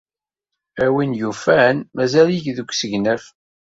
A win yufan, mazal-ik deg usegnaf.